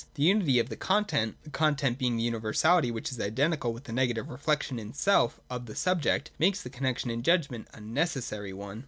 This unity of the content (the content being the universality which is identical with the negative reflection in self of the subject) makes the connexion in judgment a necessary one.